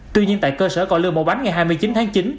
tuy nhiên tại cơ sở còn lưu mẫu bánh ngày hai mươi chín tháng chín